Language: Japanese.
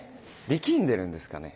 力んでるんですかね？